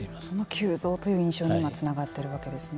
急増という印象にもつながっているわけですね。